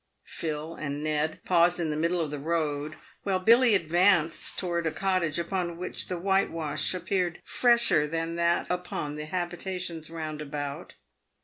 Phil and Ned paused in the middle of the road, while Billy ad vanced towards a cottage upon which the whitewash appeared fresher than that upon the habitations round about.